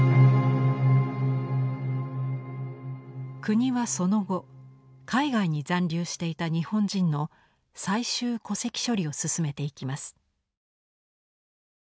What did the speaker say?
国はその後海外に残留していた日本人の最終戸籍処理を進めていきます。